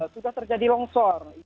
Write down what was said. sudah terjadi longsor